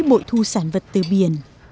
bội thu sản vật từ biển